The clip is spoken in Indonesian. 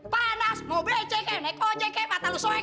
panas mau becek ya naik ojek ya mata lu soek ya